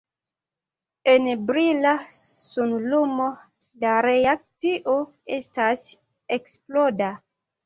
En brila sunlumo la reakcio estas eksploda.